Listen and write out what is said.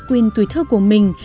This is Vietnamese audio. quên tuổi thơ của mình